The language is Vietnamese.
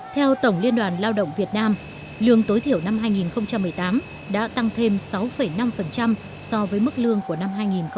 theo tổng liên đoàn lao động việt nam lương tối thiểu năm hai nghìn một mươi tám đã tăng thêm sáu năm so với mức lương của năm hai nghìn một mươi bảy